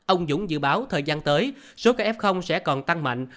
ông dũng dự báo thời gian tới số các f sẽ còn tăng mạnh